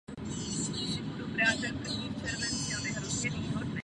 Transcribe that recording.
Zorganizoval a vedl dva úspěšné útoky na nepřátelské zákopy.